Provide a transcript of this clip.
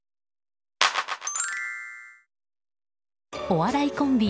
お笑いコンビ